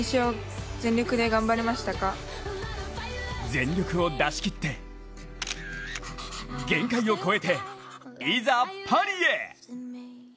全力を出し切って限界を超えて、いざパリへ。